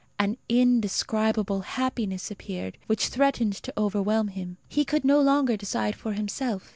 An indescribable happiness appeared, which threatened to overwhelm him. He could no longer decide for himself.